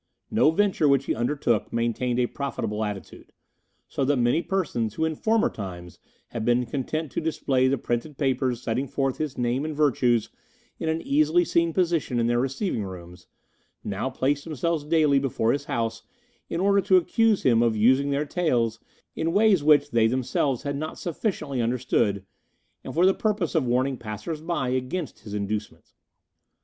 No venture which he undertook maintained a profitable attitude, so that many persons who in former times had been content to display the printed papers setting forth his name and virtues in an easily seen position in their receiving rooms, now placed themselves daily before his house in order to accuse him of using their taels in ways which they themselves had not sufficiently understood, and for the purpose of warning passers by against his inducements.